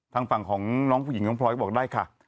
ทางฝั่งของน้องผู้หญิงน้องพลอยก็บอกได้ค่ะ